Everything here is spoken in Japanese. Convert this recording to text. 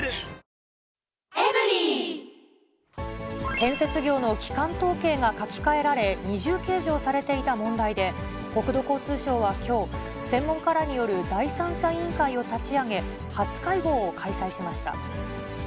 建設業の基幹統計が書き換えられ、二重計上されていた問題で、国土交通省はきょう、専門家らによる第三者委員会を立ち上げ、初会合を開催しました。